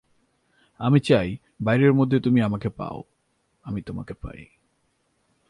আমি চাই বাইরের মধ্যে তুমি আমাকে পাও, আমি তোমাকে পাই।